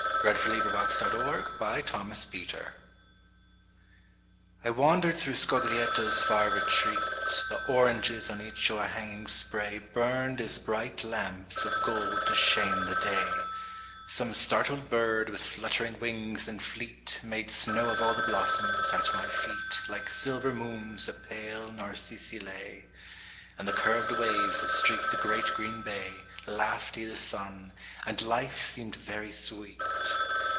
Venice. |>] SONNET Written in Holy Week at Genoa 1 WANDERED through Scoglietto's far retreat, The oranges on each o'erhanging spray Burned as bright lamps of gold to shame the day ; Some startled bird with fluttering wings and fleet Made snow of all the blossoms, at my feet Like silver moons the pale narcissi lay : And the curved waves that streaked the great green bay Laughed i' the sun, and life seemed very sweet.